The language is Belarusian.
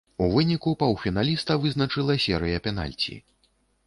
У выніку паўфіналіста вызначыла серыя пенальці.